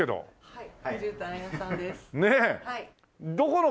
はい。